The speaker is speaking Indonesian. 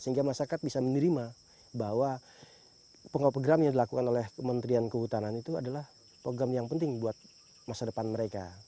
sehingga masyarakat bisa menerima bahwa pengopegram yang dilakukan oleh kementerian kehutanan itu adalah program yang penting buat masa depan mereka